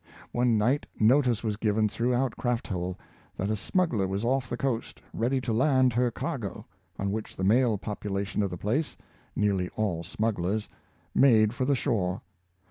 One night, notice was given throughout Crafthole, that a smuggler was off the coast, ready to land her cargo; on which the male population of the place — nearly all smugglers — made for the shore.